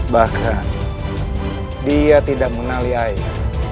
bahkan dia tidak mengenali air